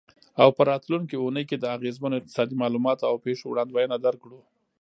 او په راتلونکې اونۍ کې د اغیزمنو اقتصادي معلوماتو او پیښو وړاندوینه درکړو.